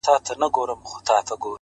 سیاه پوسي ده خاوند یې ورک دی;